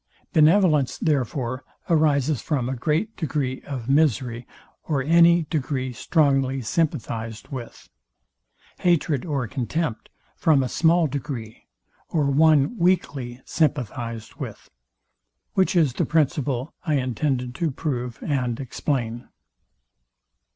Benevolence, therefore, arises from a great degree of misery, or any degree strongly sympathized with: Hatred or contempt from a small degree, or one weakly sympathized with; which is the principle I intended to prove and explain.